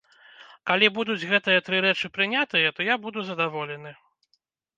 Калі будуць гэтыя тры рэчы прынятыя, то я буду задаволены.